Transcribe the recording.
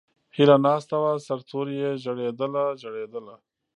ھیلہ ناستہ وہ سر توریی ژڑیدلہ، ژڑیدلہ